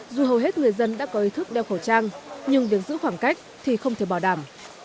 dù hầu hết người dân đã có ý thức đeo khẩu trang nhưng việc giữ khoảng cách thì không thể bảo đảm